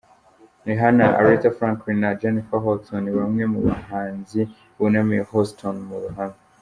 Rihanna, Aretha Franklin na Jennifer Hudson ni bamwe mu bahanzi bunamiye Houston mu ruhame.